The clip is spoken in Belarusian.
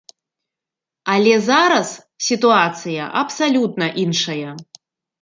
Але зараз сітуацыя абсалютна іншая.